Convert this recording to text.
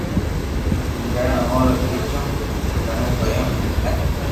ھين جڻي اورو ٻجو ڪنو پينتو تو مينک